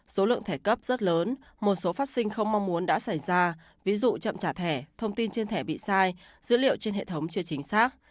số lượng thẻ cấp rất lớn một số phát sinh không mong muốn đã xảy ra ví dụ chậm trả thẻ thông tin trên thẻ bị sai dữ liệu trên hệ thống chưa chính xác